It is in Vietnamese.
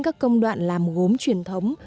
các công đoạn làm gốm truyền thống